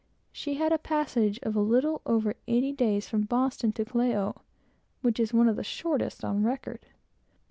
She had a passage of little over eighty days from Boston to Callao, which is one of the shortest on record.